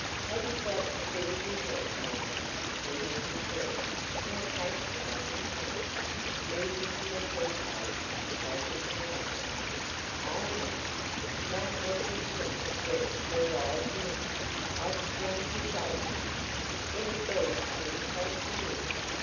"Have you got a bit of good net, now?" said Mrs Glegg, in a patronizing tone, moving from the tea table, and folding her napkin. "Eh, mum, not what you'd think it worth your while to look at. I'd scorn to show it you. It 'ud be an insult to you."